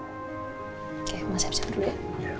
oke mama siap siap dulu ya